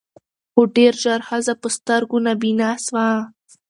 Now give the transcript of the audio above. خو ډېر ژر ښځه په سترګو نابینا سوه